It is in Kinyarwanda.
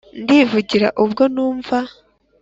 ndivugira ubwo numva